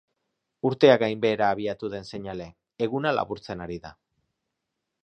Urtea gainbehera abiatu den seinale, eguna laburtzen ari da.